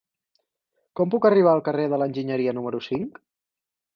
Com puc arribar al carrer de l'Enginyeria número cinc?